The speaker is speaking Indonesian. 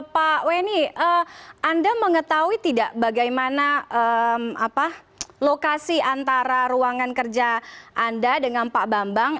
pak weni anda mengetahui tidak bagaimana lokasi antara ruangan kerja anda dengan pak bambang